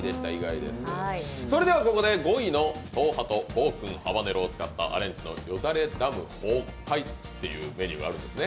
それではここで５位の東ハト暴君ハバネロを使ったよだれダム崩壊というメニューがあるんですね。